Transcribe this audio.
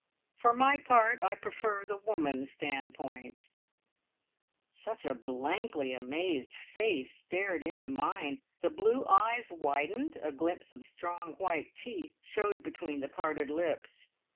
For my part, I prefer the woman's standpoint." Such a blankly amazed face stared into mine! The blue eyes widened, a glimpse of strong white teeth showed between the parted lips.